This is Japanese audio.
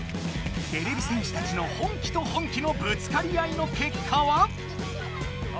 てれび戦士たちの本気と本気のぶつかり合いのけっかは？